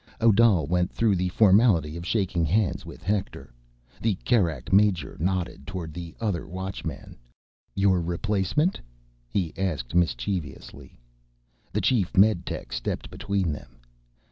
Odal went through the formality of shaking hands with Hector. The Kerak major nodded toward the other Watchman. "Your replacement?" he asked mischievously. The chief meditech stepped between them.